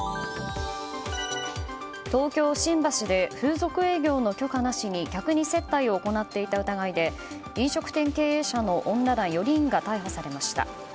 東京・新橋で風俗営業の許可なしに客に接待を行っていた疑いで飲食店経営者の女ら４人が逮捕されました。